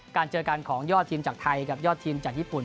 เจอกันของยอดทีมจากไทยกับยอดทีมจากญี่ปุ่น